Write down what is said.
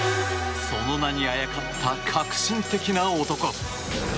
その名にあやかった革新的な男。